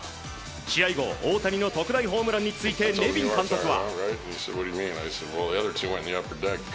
試合後大谷の特大ホームランについてネビン監督は。